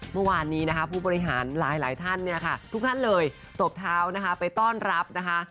เมื่อวานนี้นะคะผู้บริหารหลายท่านเนี่ยค่ะทุกท่านเลยตบเท้านะคะไปต้อนรับนะคะ